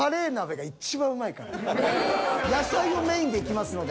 野菜をメインでいきますので。